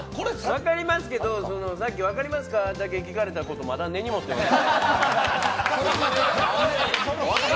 分かりますけれども、さっき分かりますかだけ聞かれたこと、まだ根に持ってます。